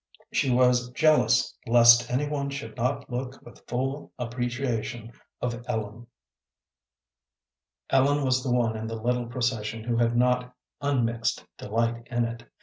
She was jealous lest any one should not look with full appreciation of Ellen. Ellen was the one in the little procession who had not unmixed delight in it.